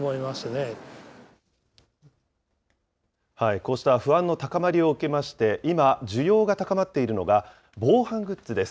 こうした不安の高まりを受けまして、今、需要が高まっているのが、防犯グッズです。